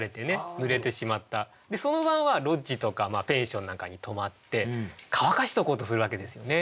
その晩はロッジとかペンションなんかに泊まって乾かしとこうとするわけですよね。